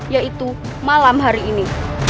yaitu malam hari ini